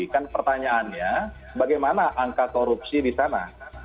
kan pertanyaannya bagaimana angka korupsi di sana